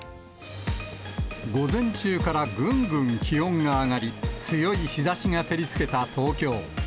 午前中からぐんぐん気温が上がり、強い日ざしが照りつけた東京。